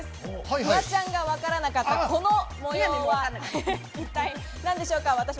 フワちゃんがわからなかったこの模様は、一体何でしょうか？